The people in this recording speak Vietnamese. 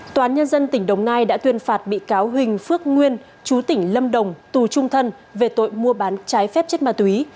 tòa án nhân dân tỉnh đồng nai đã tuyên phạt bị cáo huỳnh phước nguyên chú tỉnh lâm đồng tù trung thân về tội mua bán trái phép chất ma túy